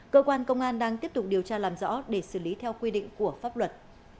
cơ quan công an đang tiếp tục điều tra làm rõ để xử lý theo quy định của pháp luật